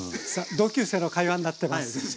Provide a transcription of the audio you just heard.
同級生の会話になってます。